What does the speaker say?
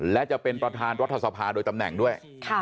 และจะเป็นประธานรัฐสภาโดยตำแหน่งด้วย